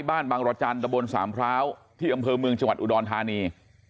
บางรจันทร์ตะบนสามพร้าวที่อำเภอเมืองจังหวัดอุดรธานี